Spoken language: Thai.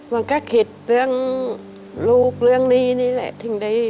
มันก็คิดเรื่องลูกเรื่องหนี้นี่แหละถึงได้